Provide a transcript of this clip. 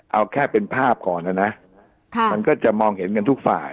เอาแค่เป็นภาพก่อนนะนะมันก็จะมองเห็นกันทุกฝ่าย